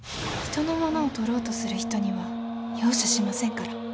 人のものをとろうとする人には容赦しませんから。